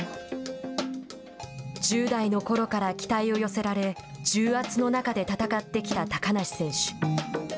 １０代のころから期待を寄せられ重圧の中で戦ってきた高梨選手。